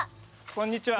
こんにちは！